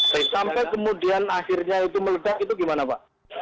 sampai kemudian akhirnya itu melejak itu gimana pak